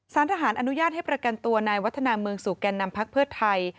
สารทหารอนุญาตให้ประกันตัวนายวัฒนาเมืองสู่แก่นำพักเพื่อไทย